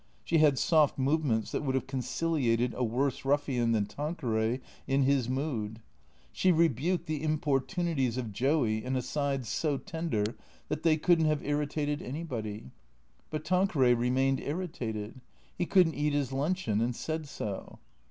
She had soft movements that would have conciliated a worse ruffian than THECEEATOES 367 Tanqueray in his mood. She rebuked the importunities of Joey in asides so tender that they could n't have irritated anybody. But Tanqueray remained irritated. He could n't eat his lunch eon, and said so.